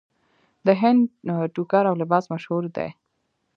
د هند ټوکر او لباس مشهور دی.